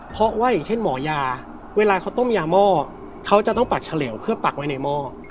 เพราะว่าอย่างเช่นหมอยาเวลาเขาต้มยาหม้อเขาจะต้องปักเฉลวเพื่อปักไว้ในหม้อ